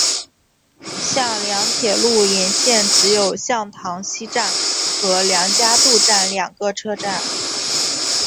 向梁铁路沿线只有向塘西站和梁家渡站两个车站。